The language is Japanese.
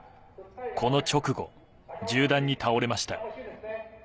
この直後、銃弾に倒れました。